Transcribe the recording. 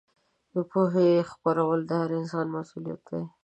د پوهې خپرول د هر انسان مسوولیت دی.